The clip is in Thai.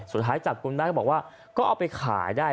สุดท้ายจับกลุ่มได้ก็บอกว่าก็เอาไปขายได้